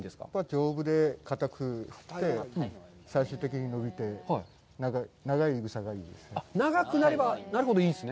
丈夫でかたくて、最終的に伸びて、長いいぐさがいいです。